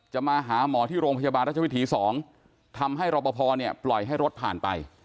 มาหาหมอที่โรงพยาบาลราชวิถี๒ทำให้รอปภเนี่ยปล่อยให้รถผ่านไป